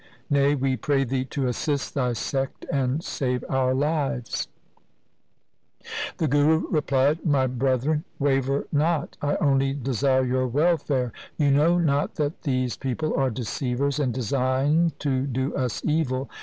Nay, we pray thee to assist thy sect and save our lives.' 182 THE SIKH RELIGION The Guru replied; ' My brethren, waver not. I only desire your welfare. You know not that these people are deceivers and design to do us evil.